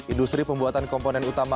industri pembuatan komponen utama